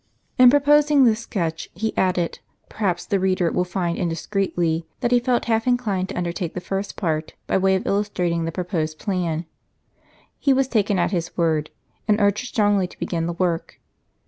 In proposing this sketch, he added,— perhaps the reader will find indiscreetly,— that he felt half inclined to undertake the first, by way of illustrating the proposed plan. He was taken at his word, and urged strongly to begin the work.